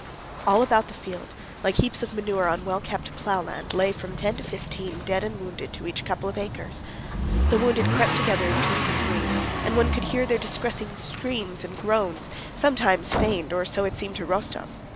All about the field, like heaps of manure on well kept plowland, lay from ten to fifteen dead and wounded to each couple of acres. The wounded crept together in twos and threes and one could hear their distressing screams and groans, sometimes feigned—or so it seemed to Rostóv.